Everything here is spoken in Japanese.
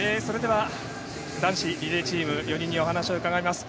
男子リレーチーム４人にお話を伺います。